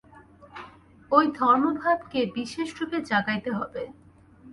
ঐ ধর্মভাবকে বিশেষরূপে জাগাইতে হইবে।